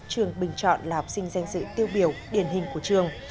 trường bình chọn là học sinh danh dự tiêu biểu điển hình của trường